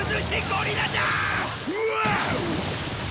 うわあっ！